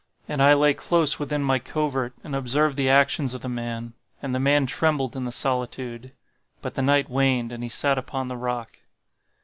And I lay close within my covert and observed the actions of the man. And the man trembled in the solitude;—but the night waned and he sat upon the rock.